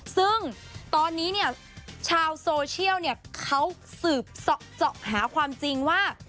ซึ่งตอนนี้เนี่ยชาวโซเชียลเนี่ยเขาสืบเจาะหาความจริงว่า